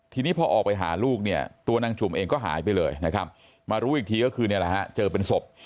ทีนี้พอออกไปหาลูกเนี่ยตัวนางจุ่มเองก็หายไปเลยนะครับมารู้อีกทีก็คือนี่แหละฮะเจอเป็นศพ